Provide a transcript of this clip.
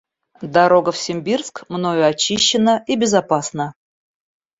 Дорога в Симбирск мною очищена и безопасна.